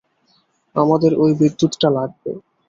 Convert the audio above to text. আমাদের ওই বিদ্যুৎটা লাগবে।